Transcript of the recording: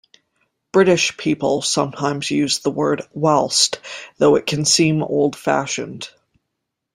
British people sometimes use the word whilst, though it can seem old fashioned